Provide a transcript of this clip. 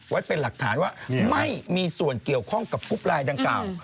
ไว้เป็นหลักฐานว่าไม่มีส่วนเกี่ยวข้องกับกรุ๊ปไลน์ดังกล่าว